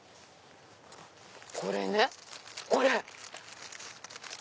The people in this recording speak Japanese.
これねこれ。